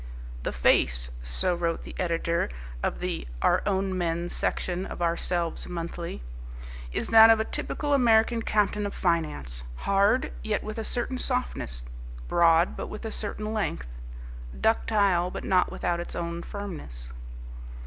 "The face," so wrote the editor of the "Our Own Men" section of Ourselves Monthly, "is that of a typical American captain of finance, hard, yet with a certain softness, broad but with a certain length, ductile but not without its own firmness."